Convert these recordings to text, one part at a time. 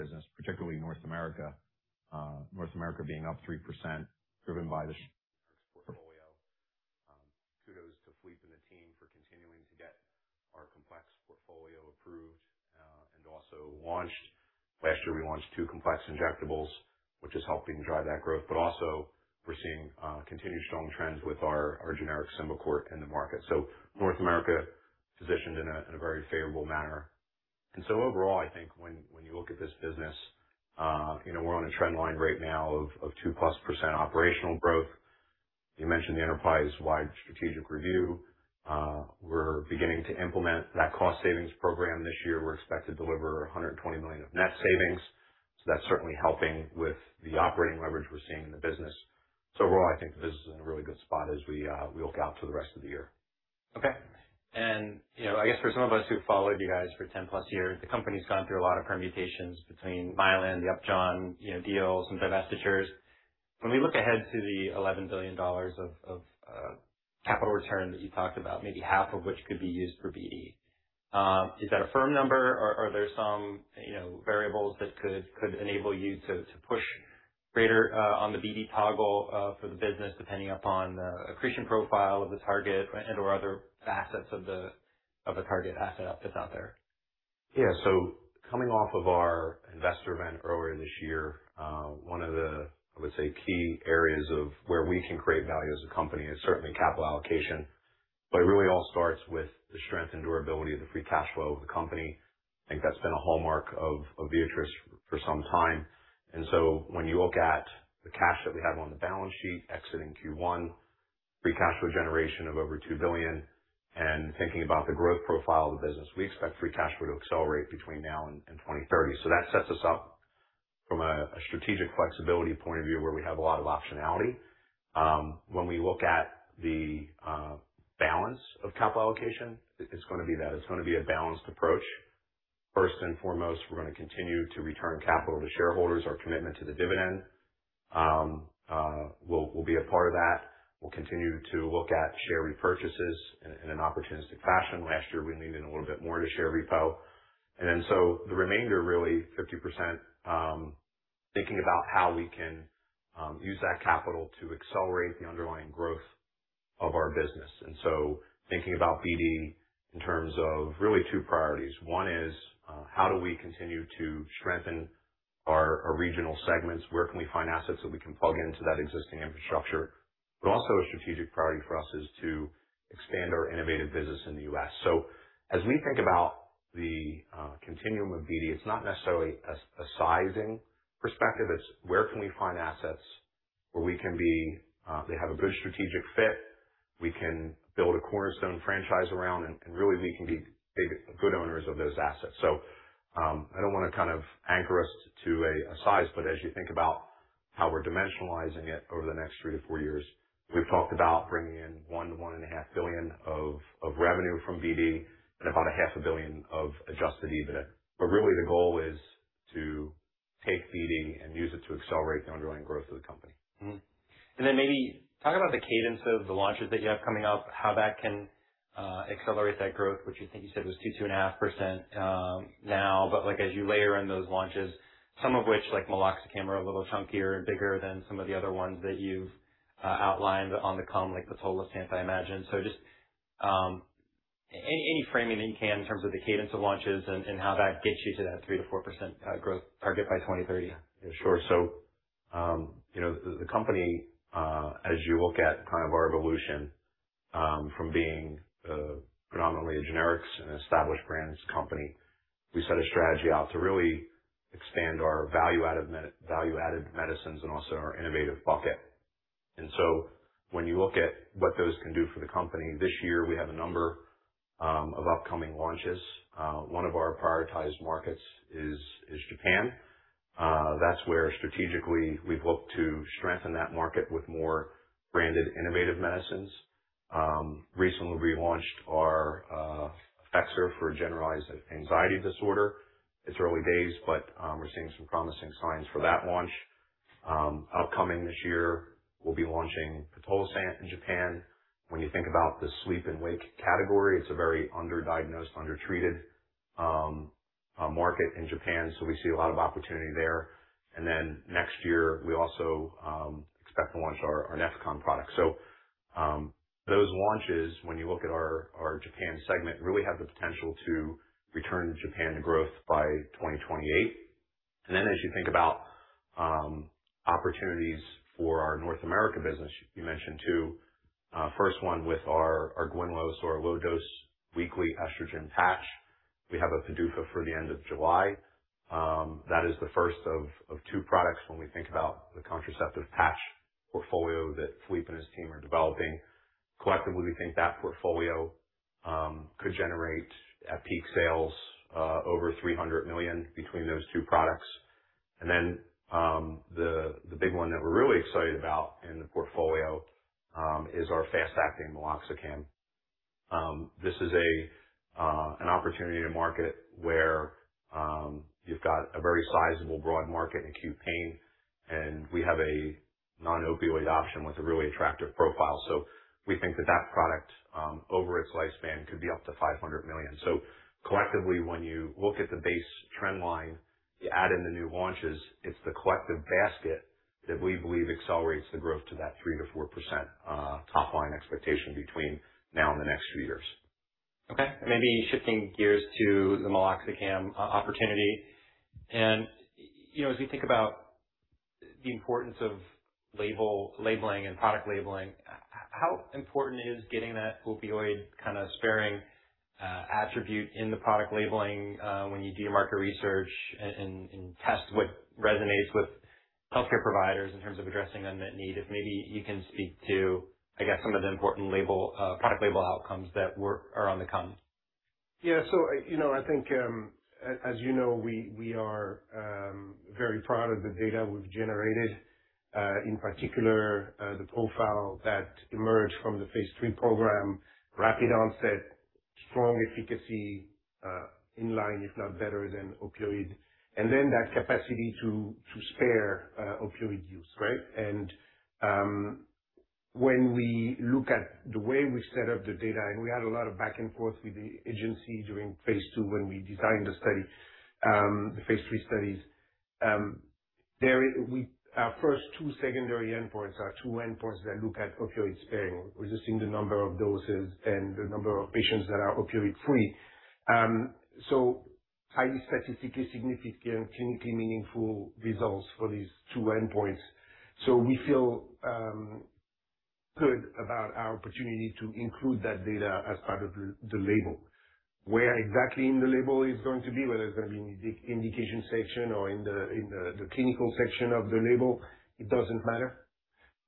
Side of our business, particularly North America. North America being up 3%, driven by the generics portfolio. Kudos to Philippe and the team for continuing to get our complex portfolio approved and also launched. Last year, we launched two complex injectables, which is helping drive that growth. We're seeing continued strong trends with our generic Symbicort in the market. North America positioned in a very favorable manner. Overall, I think when you look at this business, you know, we're on a trend line right now of 2%+ operational growth. You mentioned the enterprise-wide strategic review. We're beginning to implement that cost savings program this year. We're expected to deliver $120 million of net savings, so that's certainly helping with the operating leverage we're seeing in the business. Overall, I think the business is in a really good spot as we look out to the rest of the year. Okay. You know, I guess for some of us who followed you guys for 10-plus years, the company's gone through a lot of permutations between Mylan, the Upjohn, you know, deals and divestitures. When we look ahead to the $11 billion of capital return that you talked about, maybe half of which could be used for BD, is that a firm number or are there some, you know, variables that could enable you to push greater on the BD toggle for the business, depending upon the accretion profile of the target and/or other facets of the target asset that's out there? Coming off of our investor event earlier this year, one of the, I would say, key areas of where we can create value as a company is certainly capital allocation. It really all starts with the strength and durability of the free cash flow of the company. I think that's been a hallmark of Viatris for some time. When you look at the cash that we have on the balance sheet exiting Q1, free cash flow generation of over $2 billion, and thinking about the growth profile of the business, we expect free cash flow to accelerate between now and 2030. That sets us up from a strategic flexibility point of view, where we have a lot of optionality. When we look at the balance of capital allocation, it's gonna be a balanced approach. First and foremost, we're gonna continue to return capital to shareholders. Our commitment to the dividend will be a part of that. We'll continue to look at share repurchases in an opportunistic fashion. Last year, we leaned in a little bit more into share repo. The remainder, really 50%, thinking about how we can use that capital to accelerate the underlying growth of our business. Thinking about BD in terms of really two priorities. one is, how do we continue to strengthen our regional segments? Where can we find assets that we can plug into that existing infrastructure? Also a strategic priority for us is to expand our innovative business in the U.S.. As we think about the continuum of BD, it's not necessarily a sizing perspective. It's where can we find assets where we can be, they have a good strategic fit, we can build a cornerstone franchise around, and really we can be big, good owners of those assets. I don't wanna kind of anchor us to a size, as you think about how we're dimensionalizing it over the next three years-four years, we've talked about bringing in [$1 billion-$1.5 billion] of revenue from BD and about a half a billion of adjusted EBIT. Really, the goal is to take BD and use it to accelerate the underlying growth of the company. Mm-hmm. Then maybe talk about the cadence of the launches that you have coming up, how that can accelerate that growth, which I think you said was 2%, 2.5% now. As you layer in those launches, some of which, like meloxicam, are a little chunkier and bigger than some of the other ones that you've outlined on the come, like pitolisant, I imagine. Just any framing that you can in terms of the cadence of launches and how that gets you to that 3%-4% growth target by 2030. Yeah, sure. You know, the company, as you look at kind of our evolution, from being predominantly a generics and established brands company, we set a strategy out to really expand our value-added medicines and also our innovative bucket. When you look at what those can do for the company, this year we have a number of upcoming launches. One of our prioritized markets is Japan. That's where strategically we've looked to strengthen that market with more branded innovative medicines. Recently we launched our Effexor for generalized anxiety disorder. It's early days, but we're seeing some promising signs for that launch. Upcoming this year, we'll be launching pitolisant in Japan. When you think about the sleep and wake category, it's a very underdiagnosed, undertreated market in Japan. We see a lot of opportunity there. Next year, we also expect to launch our Nefecon product. Those launches, when you look at our Japan segment, really have the potential to return Japan to growth by 2028. As you think about opportunities for our North America business, you mentioned. First one with our XULANE LO or low dose weekly estrogen patch. We have a PDUFA for the end of July. That is the first of two products when we think about the contraceptive patch portfolio that Philippe and his team are developing. Collectively, we think that portfolio could generate at peak sales over $300 million between those two products. The big one that we're really excited about in the portfolio is our fast-acting meloxicam. This is an opportunity to market where you've got a very sizable broad market in acute pain, and we have a non-opioid option with a really attractive profile. We think that that product over its lifespan could be up to $500 million. Collectively, when you look at the base trend line, you add in the new launches, it's the collective basket that we believe accelerates the growth to that 3%-4% top-line expectation between now and the next few years. Okay. Maybe shifting gears to the meloxicam opportunity. You know, as we think about the importance of label, labeling and product labeling, how important is getting that opioid kind of sparing attribute in the product labeling, and test what resonates with healthcare providers in terms of addressing unmet need? If maybe you can speak to, I guess, some of the important label product label outcomes that are on the come. Yeah. You know, I think, as you know, we are very proud of the data we've generated, in particular, the profile that emerged from the phase III program, rapid onset, strong efficacy, in line, if not better than opioid. When we look at the way we set up the data, and we had a lot of back and forth with the agency during phase II when we designed the study, the phase III studies. Our first two secondary endpoints are two endpoints that look at opioid sparing, reducing the number of doses and the number of patients that are opioid-free. Highly statistically significant, clinically meaningful results for these two endpoints. We feel good about our opportunity to include that data as part of the label. Where exactly in the label it's going to be, whether it's gonna be in the indication section or in the clinical section of the label, it doesn't matter,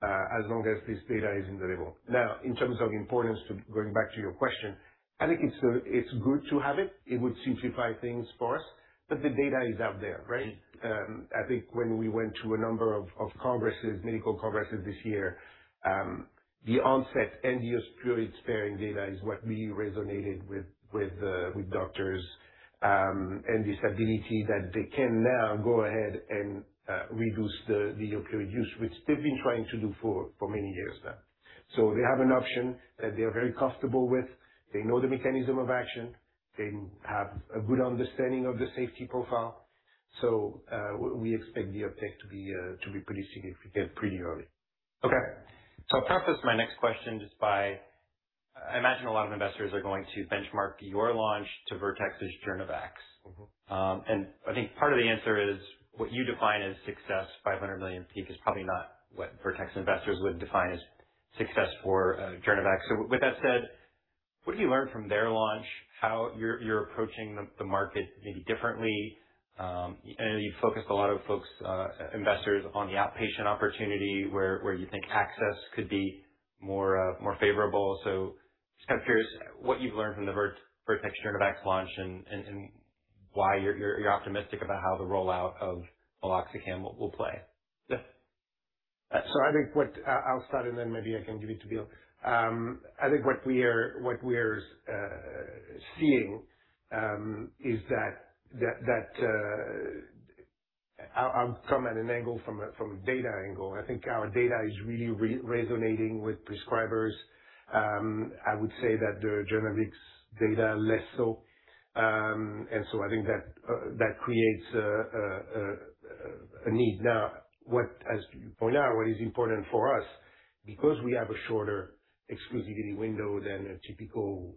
as long as this data is in the label. In terms of importance going back to your question, I think it's good to have it. It would simplify things for us, but the data is out there, right? I think when we went to a number of congresses, medical congresses this year, the onset and the opioid sparing data is what really resonated with doctors, and this ability that they can now go ahead and reduce the opioid use, which they've been trying to do for many years now. They have an option that they are very comfortable with. They know the mechanism of action. They have a good understanding of the safety profile. We expect the uptick to be pretty significant pretty early. Okay. I'll preface my next question just by, I imagine a lot of investors are going to benchmark your launch to Vertex's JOURNAVX. I think part of the answer is what you define as success, $500 million peak, is probably not what Vertex investors would define as success for JOURNAVX. With that said, what have you learned from their launch, how you're approaching the market maybe differently? I know you focused a lot of folks, investors on the outpatient opportunity where you think access could be more favorable. Just kind of curious what you've learned from the Vertex JOURNAVX launch and why you're optimistic about how the rollout of meloxicam will play. Yeah. I think what I'll start, and then maybe I can give it to [Bill]. I think what we are seeing is that I'll come at an angle from a data angle. I think our data is really resonating with prescribers. I would say that the JOURNAVX data less so. I think that creates a need. Now, what, as you point out, what is important for us, because we have a shorter exclusivity window than a typical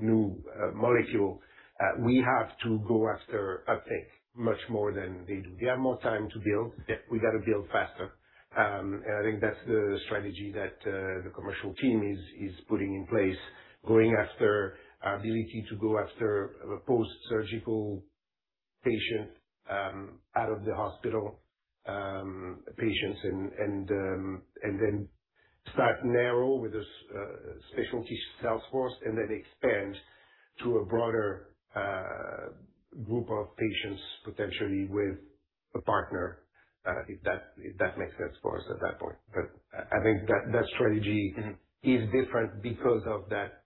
new molecule, we have to go after uptick much more than they do. They have more time to build. Yeah. We gotta build faster. I think that's the strategy that the commercial team is putting in place, going after ability to go after a postsurgical patient, out of the hospital, patients and then start narrow with a specialty sales force and then expand to a broader group of patients potentially with a partner, if that makes sense for us at that point. I think that strategy is different because of that,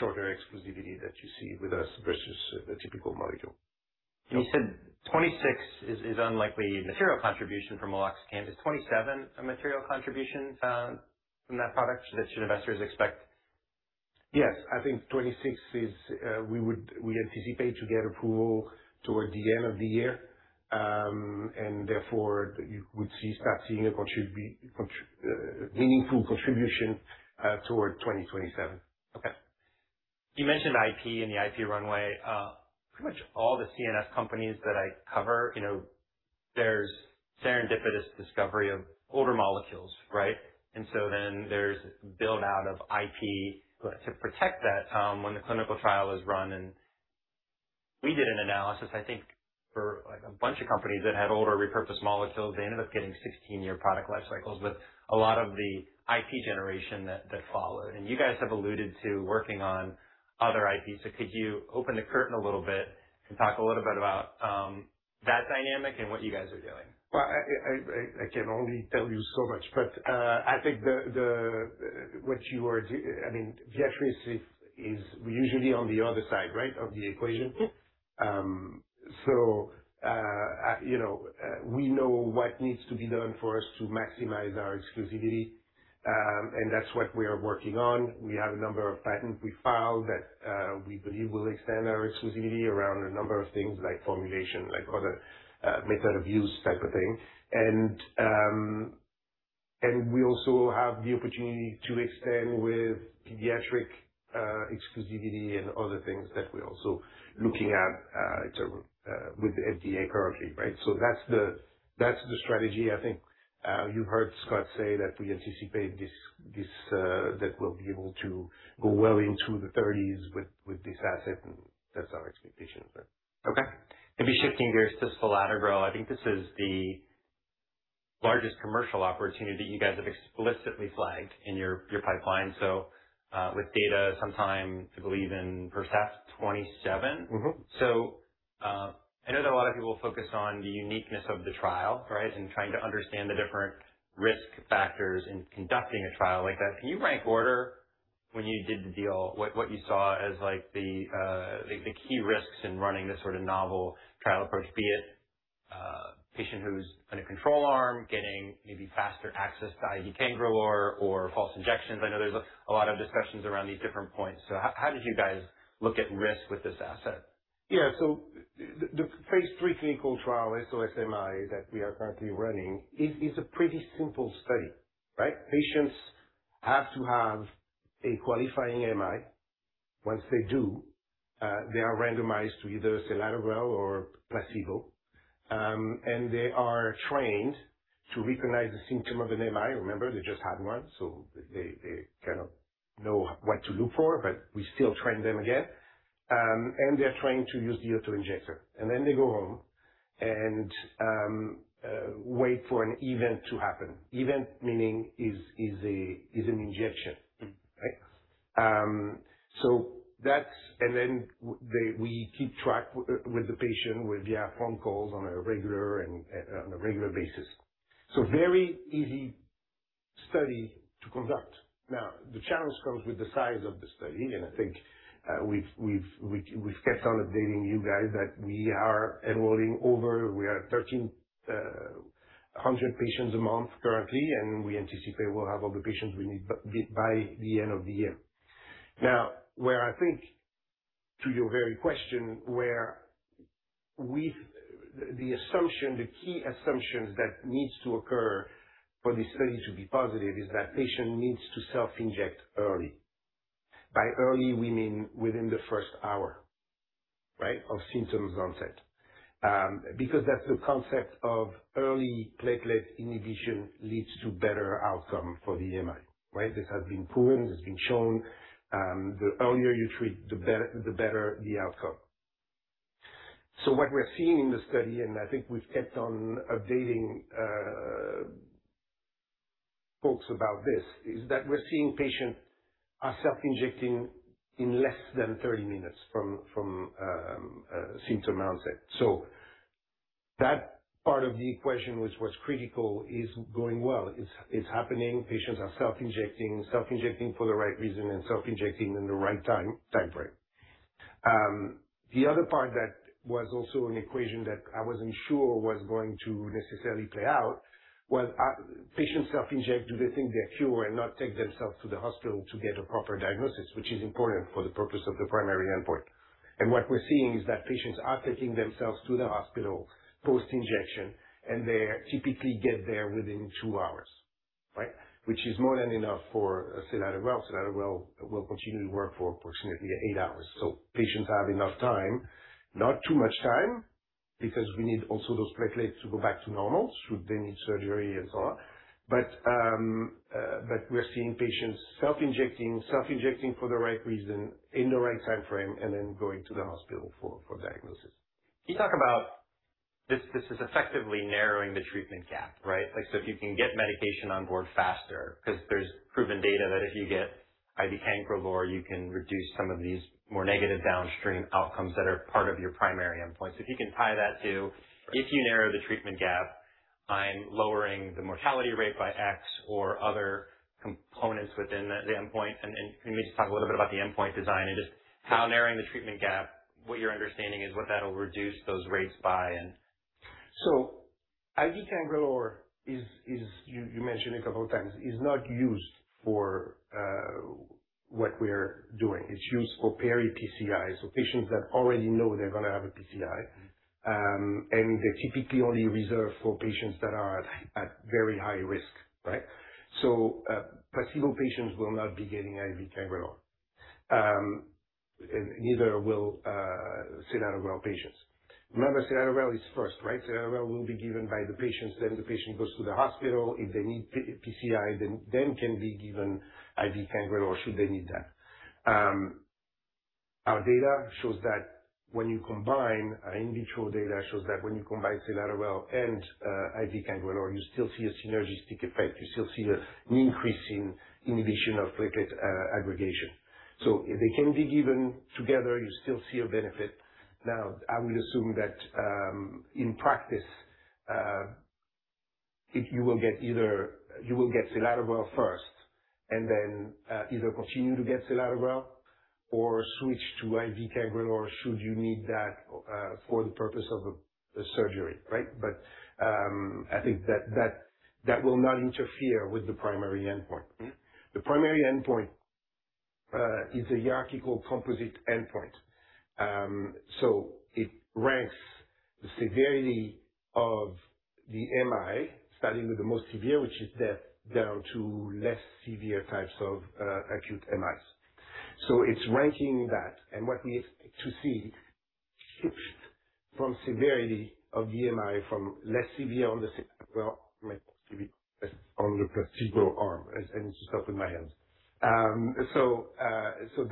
shorter exclusivity that you see with us versus the typical molecule. You said 2026 is unlikely material contribution from meloxicam. Is 2027 a material contribution, from that product that should investors expect? Yes. I think 2026 is we anticipate to get approval toward the end of the year. Therefore, you would see, start seeing a meaningful contribution toward 2027. Okay. You mentioned IP and the IP runway. pretty much all the CNS companies that I cover, you know, there's serendipitous discovery of older molecules, right? There's build-out of IP to protect that when the clinical trial is run. We did an analysis, I think, for like a bunch of companies that had older repurposed molecules. They ended up getting 16-year product life cycles with a lot of the IP generation that followed. You guys have alluded to working on other IP. Could you open the curtain a little bit and talk a little bit about that dynamic and what you guys are doing? Well, I can only tell you so much, but I think the what you are I mean, Viatris is usually on the other side, right, of the equation. Yeah. We know what needs to be done for us to maximize our exclusivity. That's what we are working on. We have a number of patents we filed that we believe will extend our exclusivity around a number of things like formulation, like other method of use type of thing. We also have the opportunity to extend with pediatric exclusivity and other things that we're also looking at sort of with the FDA currently, right? That's the strategy. I think you heard Scott say that we anticipate this that we'll be able to go well into the thirties with this asset, and that's our expectation. Okay. Maybe shifting gears to selatogrel. I think this is the largest commercial opportunity that you guys have explicitly flagged in your pipeline. With data sometime, I believe in perhaps 2027. I know that a lot of people focus on the uniqueness of the trial, right? Trying to understand the different risk factors in conducting a trial like that. Can you rank order when you did the deal, what you saw as like the key risks in running this sort of novel trial approach, be it patient who's on a control arm getting maybe faster access to IV cangrelor or false injections? I know there's a lot of discussions around these different points. How did you guys look at risk with this asset? The phase III clinical trial, SOS-AMI, that we are currently running is a pretty simple study, right? Patients have to have a qualifying MI. Once they do, they are randomized to either selatogrel or placebo. They are trained to recognize the symptom of an MI. Remember, they just had one, so they kind of know what to look for. We still train them again. They're trained to use the autoinjector. They go home and wait for an event to happen. Event meaning is an injection. Right? We keep track with the patient, with phone calls on a regular basis. Very easy study to conduct. The challenge comes with the size of the study, and I think we've kept on updating you guys that we are 1,300 patients a month currently, and we anticipate we'll have all the patients we need by the end of the year. Where I think, to your very question, the key assumptions that needs to occur for this study to be positive is that patient needs to self-inject early. By early, we mean within the first hour of symptoms onset. Because that's the concept of early platelet inhibition leads to better outcome for the MI. This has been proven. It's been shown, the earlier you treat, the better, the better the outcome. What we're seeing in the study, and I think we've kept on updating, folks about this, is that we're seeing patients are self-injecting in less than 30 minutes from, symptom onset. That part of the equation, which was critical, is going well. It's happening. Patients are self-injecting for the right reason and self-injecting in the right timeframe. The other part that was also an equation that I wasn't sure was going to necessarily play out was, patients self-inject, do they think they're cured and not take themselves to the hospital to get a proper diagnosis, which is important for the purpose of the primary endpoint. What we're seeing is that patients are taking themselves to the hospital post-injection, they typically get there within two hours, right? Which is more than enough for selatogrel. Selatogrel will continue to work for approximately eight hours. Patients have enough time. Not too much time, because we need also those platelets to go back to normal should they need surgery and so on. We're seeing patients self-injecting for the right reason, in the right timeframe, and then going to the hospital for diagnosis. Can you talk about this is effectively narrowing the treatment gap, right? Like, if you can get medication on board faster, 'cause there's proven data that if you get IV cangrelor, you can reduce some of these more negative downstream outcomes that are part of your primary endpoint. If you can tie that to, if you narrow the treatment gap, I'm lowering the mortality rate by x or other components within the endpoint. Can you just talk a little bit about the endpoint design and just how narrowing the treatment gap, what your understanding is, what that'll reduce those rates by and IV cangrelor is, you mentioned a couple of times, is not used for what we're doing. It's used for peri-PCI, so patients that already know they're gonna have a PCI. And they're typically only reserved for patients that are at very high risk, right? Placebo patients will not be getting IV cangrelor. And neither will selatogrel patients. Remember, selatogrel is first, right? selatogrel will be given by the patients, then the patient goes to the hospital. If they need P-PCI, then, them can be given IV cangrelor should they need that. Our in-vitro data shows that when you combine selatogrel and IV cangrelor, you still see a synergistic effect. You still see an increase in inhibition of platelet aggregation. They can be given together. You still see a benefit. I will assume that, in practice, you will get selatogrel first, and then either continue to get selatogrel or switch to IV cangrelor should you need that for the purpose of a surgery, right? I think that will not interfere with the primary endpoint. The primary endpoint is a hierarchical composite endpoint. It ranks the severity of the MI, starting with the most severe, which is death down to less severe types of acute MIs. It's ranking that and what we expect to see shift from severity of the MI from less severe on the placebo arm. Well, might just give it on the placebo arm, and just help with my hands.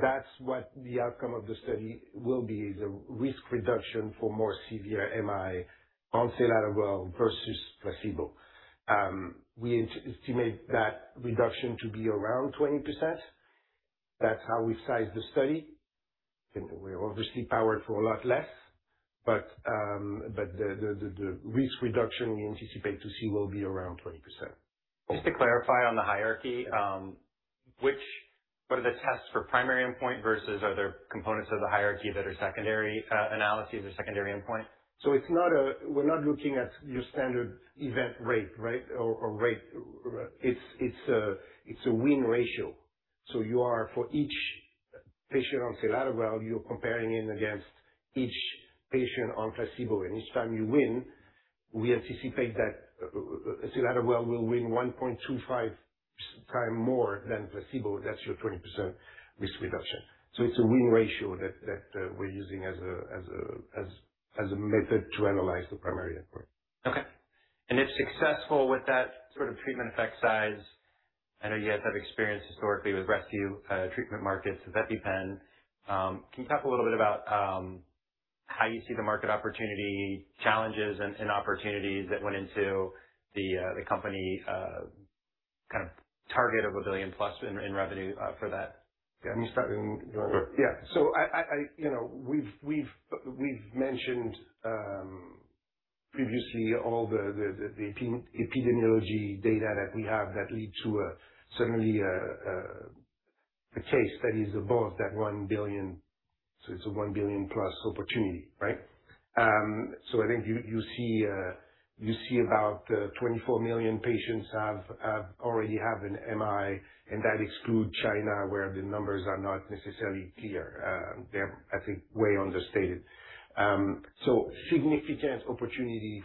That's what the outcome of the study will be, is a risk reduction for more severe MI on selatogrel versus placebo. We estimate that reduction to be around 20%. That's how we sized the study. We're obviously powered for a lot less, but the risk reduction we anticipate to see will be around 20%. Just to clarify on the hierarchy, what are the tests for primary endpoint versus are there components of the hierarchy that are secondary analyses or secondary endpoint? We're not looking at your standard event rate, right? Or rate. It's a win ratio. You are for each patient on selatogrel, you're comparing in against each patient on placebo. Each time you win, we anticipate that selatogrel will win 1.25x more than placebo. That's your 20% risk reduction. It's a win ratio that we're using as a method to analyze the primary endpoint. Okay. If successful with that sort of treatment effect size, I know you guys have experience historically with rescue treatment markets with EpiPen. Can you talk a little bit about how you see the market opportunity, challenges and opportunities that went into the company kind of target of a $1 billion-plus in revenue for that? Yeah, me starting. Sure. Yeah. I, you know, we've mentioned previously all the epidemiology data that we have that lead to a certainly a case that is above that $1 billion. It's a [$1 billion+] opportunity, right? I think you see about 24 million patients have already have an MI and that exclude China, where the numbers are not necessarily clear. They're, I think, way understated. Significant opportunity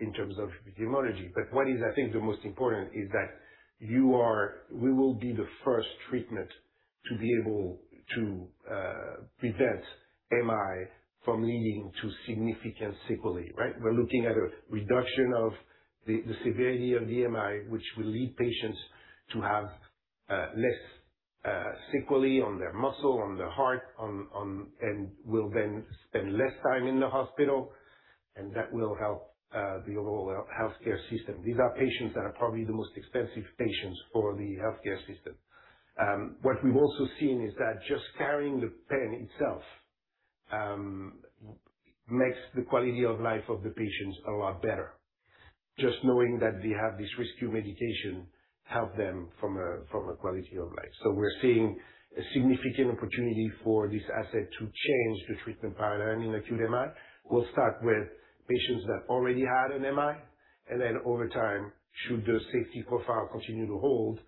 in terms of epidemiology. What is I think the most important is that we will be the first treatment to be able to prevent MI from leading to significant sequelae, right? We're looking at a reduction of the severity of the MI, which will lead patients to have less sequelae on their muscle, on their heart, and will then spend less time in the hospital. That will help the overall healthcare system. These are patients that are probably the most expensive patients for the healthcare system. What we've also seen is that just carrying the pen itself makes the quality of life of the patients a lot better. Just knowing that they have this rescue medication help them from a quality of life. We're seeing a significant opportunity for this asset to change the treatment paradigm in acute MI. We'll start with patients that already had an MI, and then over time, should the safety profile continue to hold,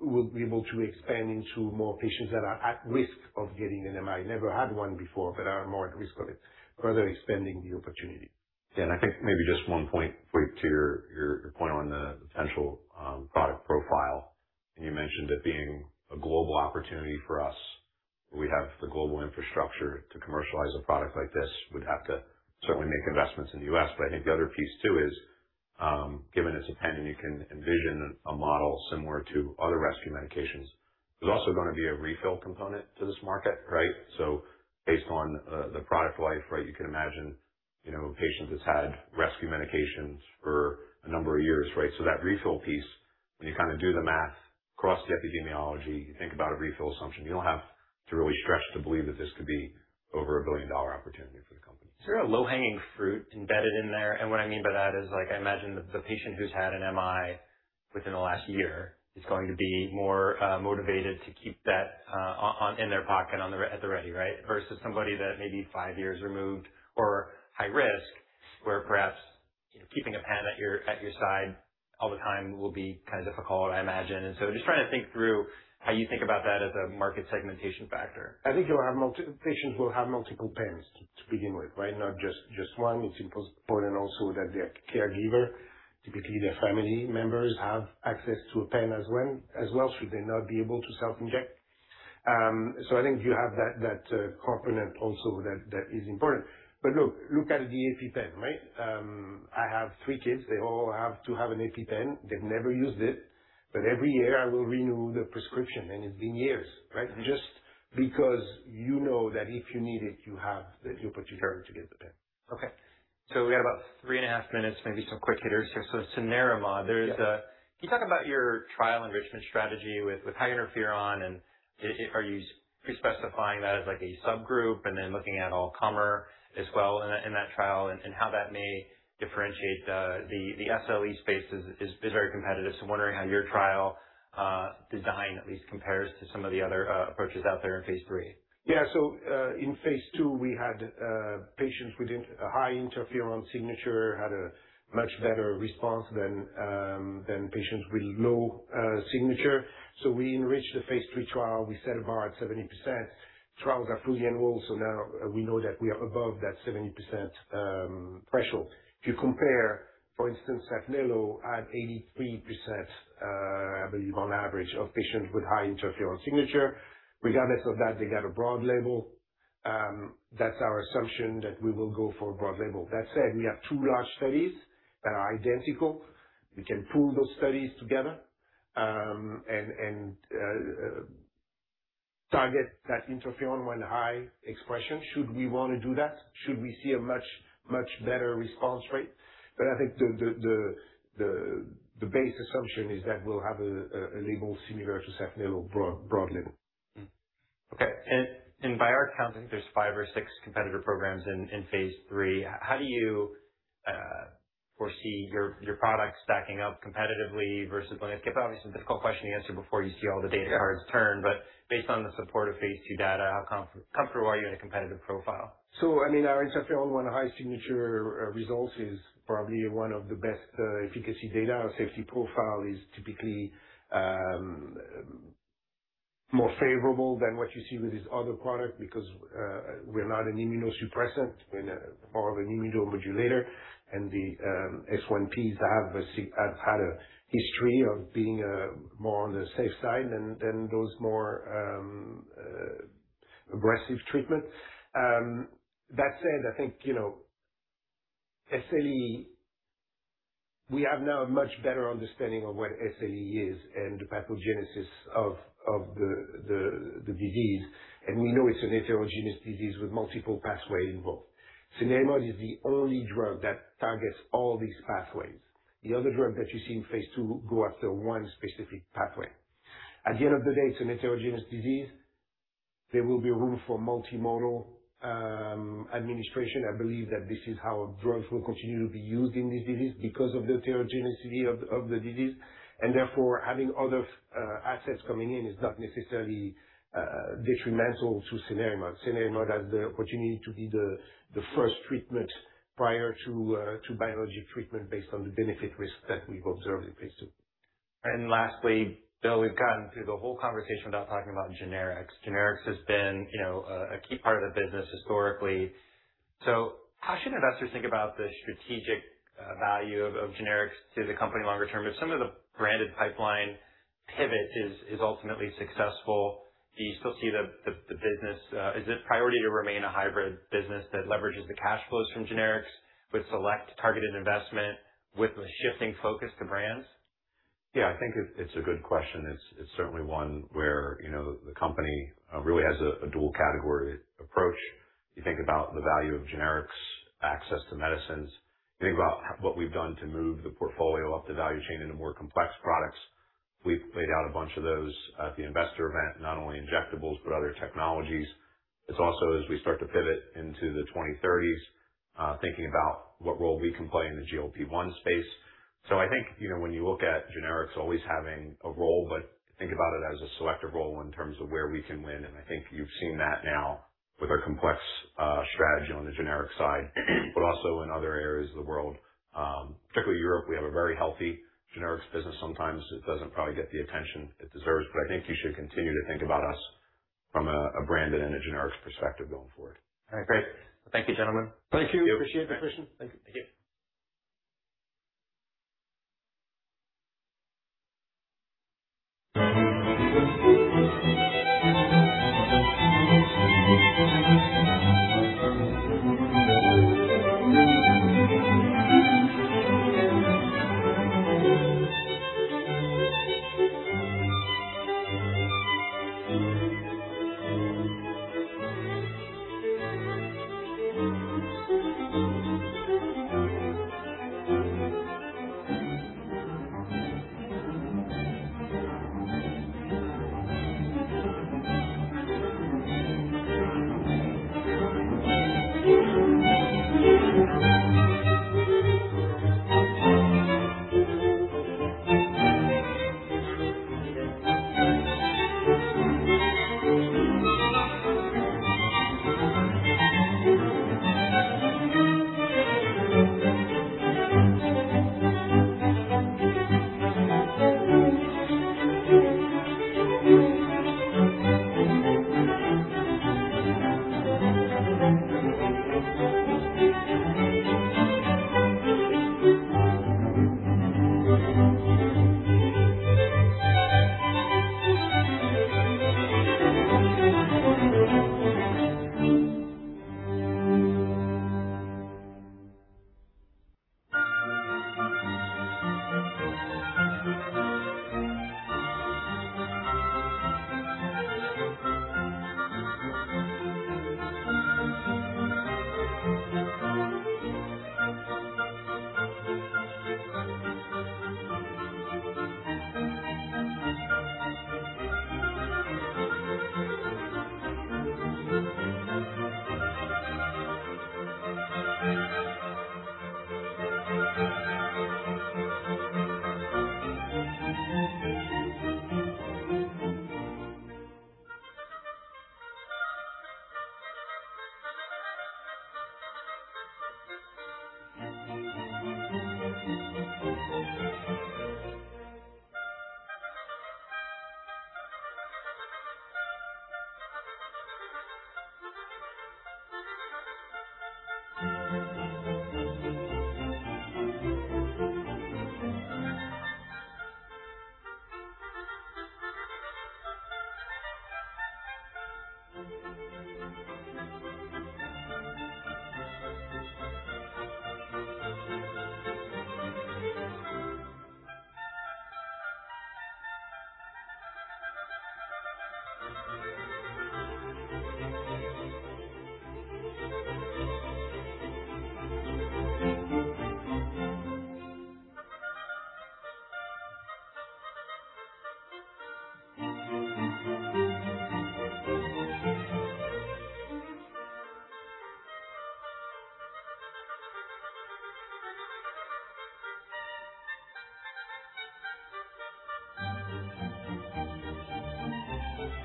we'll be able to expand into more patients that are at risk of getting an MI. Never had one before, but are more at risk of it, further expanding the opportunity. [Ken], I think maybe just one point quick to your point on the potential product profile. You mentioned it being a global opportunity for us. We have the global infrastructure to commercialize a product like this. We'd have to certainly make investments in the U.S.. I think the other piece too is, given it's a pen and you can envision a model similar to other rescue medications, there's also gonna be a refill component to this market, right? Based on the product life, right, you can imagine, you know, a patient that's had rescue medications for a number of years, right? That refill piece, when you kind of do the math across the epidemiology, you think about a refill assumption. You don't have to really stretch to believe that this could be over a billion-dollar opportunity for the company. Is there a low-hanging fruit embedded in there? What I mean by that is, like, I imagine that the patient who's had an MI within the last year is going to be more motivated to keep that on in their pocket on the ready, right? Versus somebody that may be five years removed or high risk, where perhaps, you know, keeping a pen at your, at your side all the time will be kind of difficult, I imagine. Just trying to think through how you think about that as a market segmentation factor. I think patients will have multiple pens to begin with, right? Not just one. It's important also that their caregiver, typically their family members, have access to a pen as well, should they not be able to self-inject. I think you have that component also that is important. Look at the EpiPen, right? I have three kids. They all have to have an EpiPen. They've never used it. Every year I will renew the prescription, and it's been years, right? Just because you know that if you need it, you have the opportunity to get the pen. Okay. We got about three and a half minutes, maybe some quick hitters here. cenerimod. Yeah. Can you talk about your trial enrichment strategy with high interferon, are you pre-specifying that as, like, a subgroup and then looking at all-comer as well in that trial and how that may differentiate the SLE space is very competitive. I'm wondering how your trial design at least compares to some of the other approaches out there in phase III. Yeah. In phase II, we had patients within a high type I interferon signature had a much better response than patients with low signature. We enriched the phase III trial. We set a bar at 70%. Trials are fully enrolled, now we know that we are above that 70% threshold. If you compare, for instance, Saphnelo at 83%, I believe on average of patients with high type I interferon signature. Regardless of that, they got a broad label. That's our assumption that we will go for a broad label. That said, we have two large studies that are identical. We can pool those studies together and target that type I interferon signature should we wanna do that, should we see a much better response rate. I think the base assumption is that we'll have a label similar to Saphnelo broad label. Okay. By our count, I think there's five or six competitor programs in phase III. How do you foresee your products stacking up competitively versus them? It's obviously a difficult question to answer before you see all the data. Yeah. how it's turned. Based on the support of phase II data, how comfortable are you in a competitive profile? Our type I interferon signature result is probably one of the best efficacy data. Our safety profile is typically more favorable than what you see with this other product because we're not an immunosuppressant. We're more of an immunomodulator. The S1P have had a history of being more on the safe side than those more aggressive treatment. That said, I think, you know, SLE, we have now a much better understanding of what SLE is and the pathogenesis of the disease. We know it's an heterogeneous disease with multiple pathway involved. cenerimod is the only drug that targets all these pathways. The other drug that you see in phase II go after one specific pathway. At the end of the day, it's an heterogeneous disease. There will be room for multimodal administration. I believe that this is how drugs will continue to be used in this disease because of the heterogeneicity of the disease. Therefore, having other assets coming in is not necessarily detrimental to cenerimod. Cenerimod has the opportunity to be the first treatment prior to biologic treatment based on the benefit risk that we've observed in phase II. Lastly, [Phil], we've gotten through the whole conversation without talking about generics. Generics has been a key part of the business historically. How should investors think about the strategic value of generics to the company longer term? If some of the branded pipeline pivot is ultimately successful, do you still see the business is it priority to remain a hybrid business that leverages the cash flows from generics with select targeted investment with the shifting focus to brands? Yeah, I think it's a good question. It's certainly one where, you know, the company really has a dual category approach. You think about the value of generics, access to medicines. You think about what we've done to move the portfolio up the value chain into more complex products. We've laid out a bunch of those at the investor event, not only injectables, but other technologies. It's also as we start to pivot into the 2030s, thinking about what role we can play in the GLP-1 space. I think, you know, when you look at generics always having a role, but think about it as a selective role in terms of where we can win. I think you've seen that now with our complex strategy on the generic side, but also in other areas of the world. Particularly Europe, we have a very healthy generics business. Sometimes it doesn't probably get the attention it deserves, but I think you should continue to think about us from a branded and a generics perspective going forward. All right, great. Thank you, gentlemen. Thank you. Thank you. Appreciate the question. Thank you. Thank you.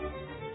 Vancouver Healthcare Facilities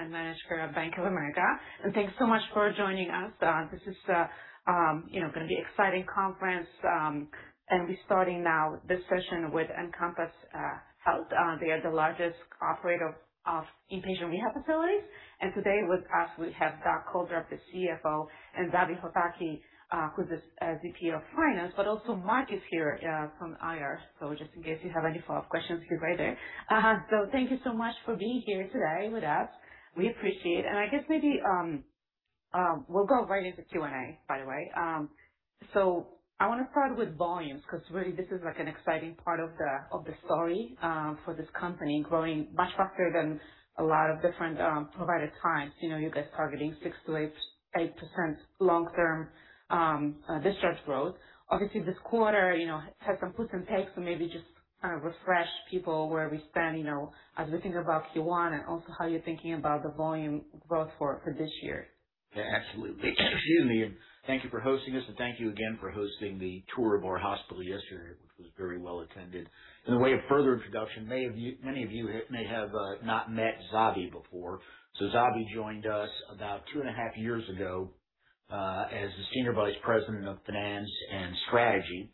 and Management Bank of America. Thanks so much for joining us. This is, you know, gonna be exciting conference, and we starting now this session with Encompass Health. They are the largest operator of inpatient rehab facilities. Today with us we have Doug Coltharp, the CFO, and Zavi Hosaki, who's the VP of finance, but also Mark is here from IR. Just in case you have any follow-up questions, he's right there. Thank you so much for being here today with us. We appreciate it. I guess maybe we'll go right into Q&A, by the way. I want to start with volumes, 'cause really this is like an exciting part of the story for this company growing much faster than a lot of different provider types. You know, you guys targeting 6%-8% long-term discharge growth. Obviously, this quarter, you know, had some puts and takes, maybe just refresh people where we stand, you know, as we think about Q1 and also how you're thinking about the volume growth for this year. Yeah, absolutely. Excuse me. Thank you for hosting us, and thank you again for hosting the tour of our hospital yesterday, which was very well attended. In the way of further introduction, many of you may have not met Zavi before. Zavi joined us about 2.5 years ago as the Senior Vice President of Finance and Strategy.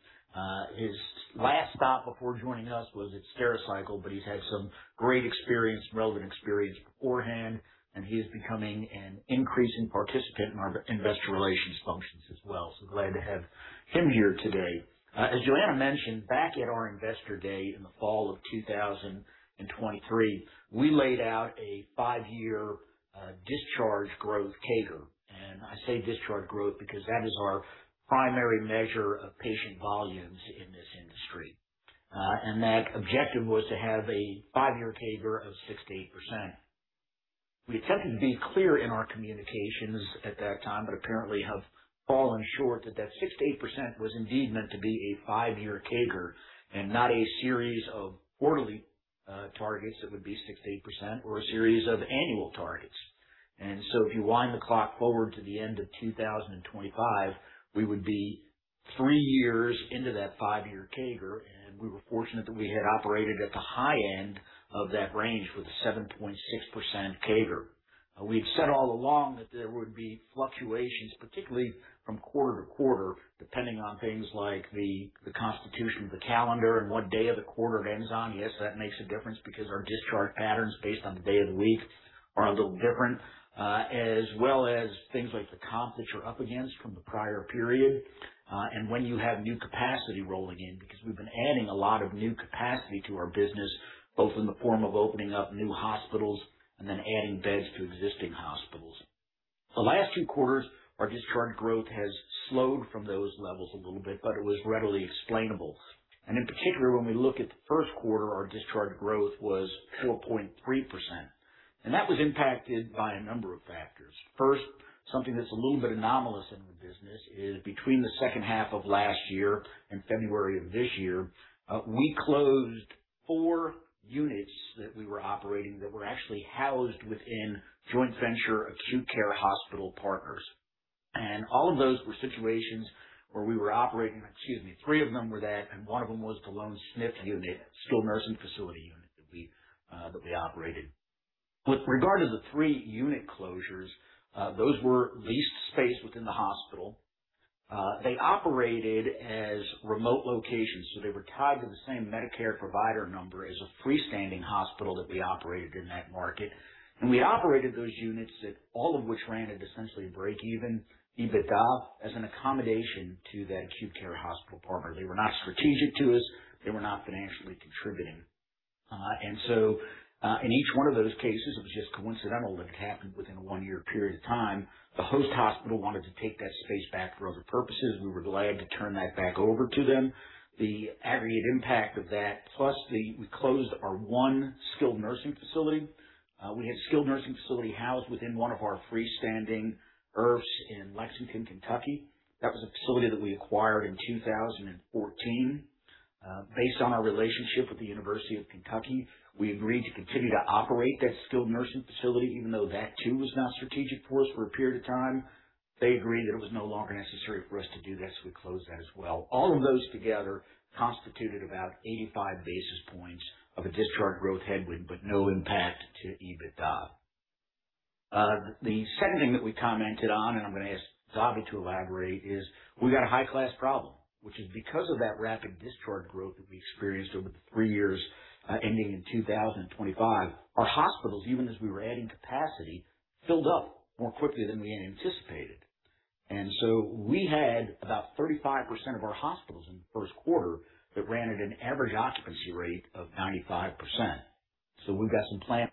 His last stop before joining us was at Stericycle, but he's had some great experience, relevant experience beforehand, and he is becoming an increasing participant in our investor relations functions as well, so glad to have him here today. As Joanna mentioned, back at our investor day in the fall of 2023, we laid out a five-year discharge growth CAGR. I say discharge growth because that is our primary measure of patient volumes in this industry. That objective was to have a five-year CAGR of 6%-8%. We attempted to be clear in our communications at that time, but apparently have fallen short that that 6%-8% was indeed meant to be a five-year CAGR and not a series of quarterly targets that would be 6%-8% or a series of annual targets. If you wind the clock forward to the end of 2025, we would be three years into that five-year CAGR, and we were fortunate that we had operated at the high end of that range with a 7.6% CAGR. We've said all along that there would be fluctuations, particularly from quarter to quarter, depending on things like the constitution of the calendar and what day of the quarter it ends on. Yes, that makes a difference because our discharge patterns based on the day of the week are a little different. As well as things like the comp that you're up against from the prior period, and when you have new capacity rolling in, because we've been adding a lot of new capacity to our business, both in the form of opening up new hospitals and then adding beds to existing hospitals. The last two quarters, our discharge growth has slowed from those levels a little bit, but it was readily explainable. In particular, when we look at the first quarter, our discharge growth was 4.3%, and that was impacted by a number of factors. First, something that's a little bit anomalous in the business is between the second half of last year and February of this year, we closed four units that we were operating that were actually housed within joint venture acute care hospital partners. All of those were situations where we were operating Excuse me, three of them were that, and one of them was the lone SNF unit, skilled nursing facility unit that we that we operated. With regard to the three unit closures, those were leased space within the hospital. They operated as remote locations, they were tied to the same Medicare provider number as a freestanding hospital that we operated in that market. We operated those units at all of which ran at essentially breakeven EBITDA as an accommodation to that acute care hospital partner. They were not strategic to us. They were not financially contributing. In each 1 of those cases, it was just coincidental that it happened within a one-year period of time. The host hospital wanted to take that space back for other purposes. We were glad to turn that back over to them. The aggregate impact of that plus we closed our one skilled nursing facility. We had skilled nursing facility housed within one of our freestanding IRFs in Lexington, Kentucky. That was a facility that we acquired in 2014. Based on our relationship with the University of Kentucky, we agreed to continue to operate that skilled nursing facility, even though that too was not strategic for us for a period of time. They agreed that it was no longer necessary for us to do that, so we closed that as well. All of those together constituted about 85 basis points of a discharge growth headwind, but no impact to EBITDA. The second thing that we commented on, and I'm gonna ask Zavi to elaborate, is we got a high-class problem, which is because of that rapid discharge growth that we experienced over the three years, ending in 2025, our hospitals, even as we were adding capacity, filled up more quickly than we had anticipated. We had about 35% of our hospitals in the first quarter that ran at an average occupancy rate of 95%. We've got some planning.